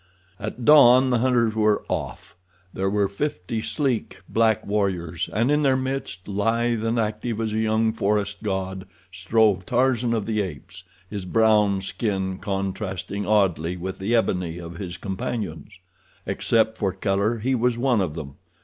At dawn the hunters were off. There were fifty sleek, black warriors, and in their midst, lithe and active as a young forest god, strode Tarzan of the Apes, his brown skin contrasting oddly with the ebony of his companions. Except for color he was one of them.